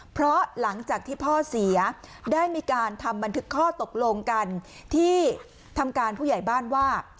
เพราะหลังจากที่พ่อเสียได้มีการทำบันทึกข้อตกลงกันที่ทำการผู้ใหญ่บ้านว่า